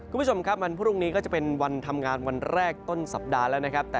คุณผู้ชมครับวันพรุ่งนี้ก็จะเป็นวันทำงานวันแรกต้นสัปดาห์แล้วนะครับ